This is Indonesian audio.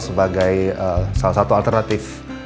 sebagai salah satu alternatif